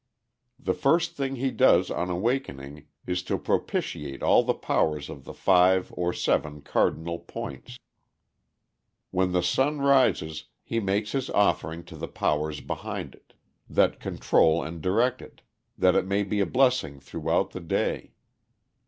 The first thing he does on awakening is to propitiate all the powers of the five or seven cardinal points. When the sun rises he makes his offering to the powers behind it, that control and direct it, that it may be a blessing throughout the day.